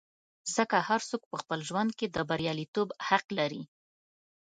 ځکه هر څوک په خپل ژوند کې د بریالیتوب حق لري.